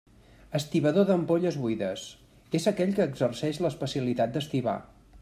Estibador d'ampolles buides: és aquell que exerceix l'especialitat d'estibar.